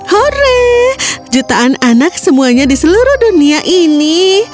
hore jutaan anak semuanya di seluruh dunia ini